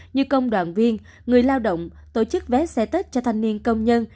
như công đoàn viên người lao động tổ chức vé xe tết cho thanh niên công nhân